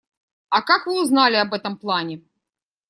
А как вы узнали об этом плане?